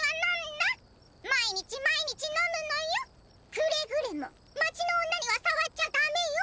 くれぐれも街の女には触っちゃダメよ。